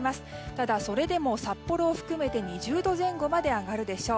ただ、それでも札幌を含めて２０度前後まで上がるでしょう。